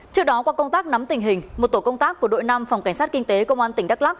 trước đó qua công tác nắm tình hình một tổ công tác của đội năm phòng cảnh sát kinh tế công an tỉnh đắk lắc